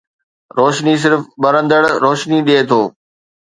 روشني صرف ٻرندڙ روشني ڏئي ٿو